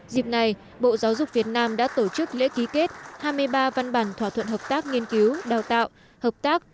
dịp này bộ giáo dục việt nam đã tổ chức lễ ký kết hai mươi ba văn bản thỏa thuận hợp tác nghiên cứu đào tạo hợp tác